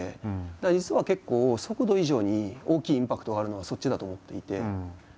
だから実は結構速度以上に大きいインパクトがあるのはそっちだと思っていて。